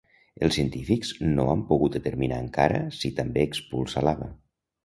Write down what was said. Els científics no han pogut determinar encara si també expulsa lava.